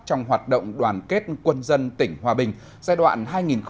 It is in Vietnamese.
trong hoạt động đoàn kết quân dân tỉnh hòa bình giai đoạn hai nghìn một mươi sáu hai nghìn hai mươi